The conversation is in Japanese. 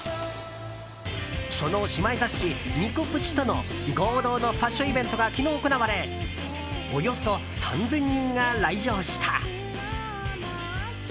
その姉妹雑誌「ニコ☆プチ」との合同のファッションイベントが昨日、行われおよそ３０００人が来場した。